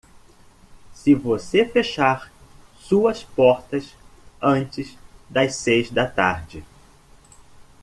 Se você fechar suas portas antes das seis da tarde.